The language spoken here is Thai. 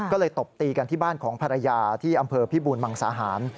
ก็เลยตบตีกันที่บ้านของภรรยาที่อำเภอพิบูรมังสาหาร